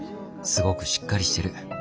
すごくしっかりしてる。